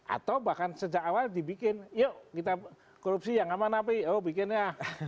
atau bahkan sejak awal dibikin yuk kita korupsi yang aman apa ya oh bikin ya